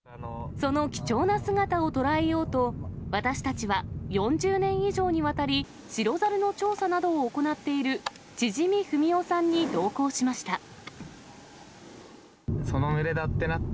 その貴重な姿を捉えようと、私たちは４０年以上にわたり、白猿の調査などを行っている、縮文夫さんに同行しました。